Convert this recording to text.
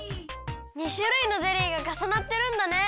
２しゅるいのゼリーがかさなってるんだね。